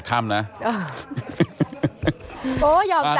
กินขออาหาร